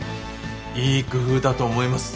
いい工夫だと思います。